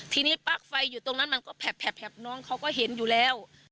ทีนี้ปลั๊กไฟอยู่ตรงนั้นมันก็แผบน้องเขาก็เห็นอยู่แล้ว